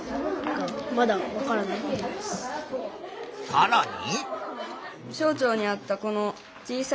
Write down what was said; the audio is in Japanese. さらに。